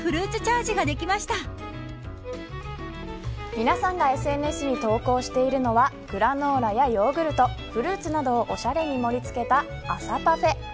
皆さんがＳＮＳに投稿しているのはグラノーラやヨーグルトフルーツなどをおしゃれに盛り付けた朝パフェ。